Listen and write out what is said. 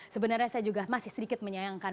sebenarnya saya juga masih sedikit menyayangkan